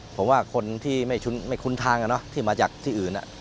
ผมว่าคนที่ไม่คุ้นทางที่มาจากที่อื่น